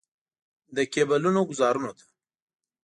د کیبلونو ګوزارونو ته.